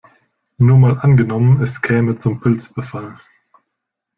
Nur mal angenommen, es käme zum Pilzbefall.